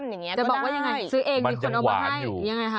ซื้อเองมีคนเอามาให้อยู่ยังไงคะมันจะหวานอยู่